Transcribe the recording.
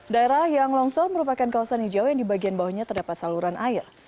daerah yang longsor merupakan kawasan hijau yang di bagian bawahnya terdapat saluran air